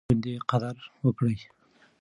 په ژوند يې قدر وکړئ.